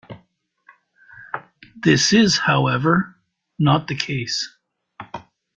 This is, however, not the case.